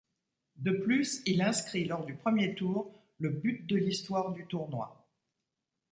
De plus, il inscrit lors du premier tour, le but de l'histoire du tournoi.